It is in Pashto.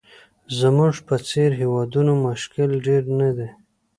زموږ په څېر هېوادونو مشکل ډېر نه دي.